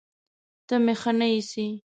ته مې ښه نه ايسې